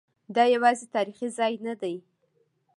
دا یوازې تاریخي ځای نه دی.